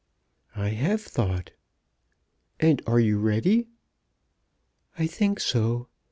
"I have thought." "And are you ready?" "I think so.